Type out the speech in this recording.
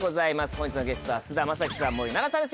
本日のゲストは菅田将暉さん森七菜さんです